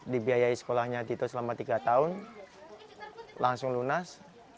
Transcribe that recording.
dibiayai sekolahnya dito selama tiga tahun langsung lunas